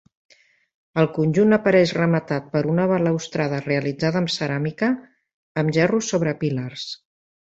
El conjunt apareix rematat per una balustrada realitzada amb ceràmica, amb gerros sobre pilars.